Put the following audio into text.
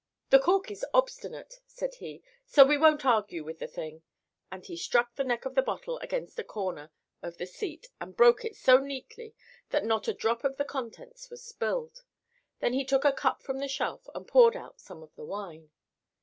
"The cork is obstinate," said he; "so we won't argue with the thing," and he struck the neck of the bottle against a corner of the seat and broke it so neatly that not a drop of the contents was spilled. Then he took a cup from the shelf and poured out some of the wine.